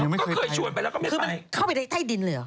ก็เคยชวนไปแล้วก็ไม่ไปเข้าไปใต้ดินหรือ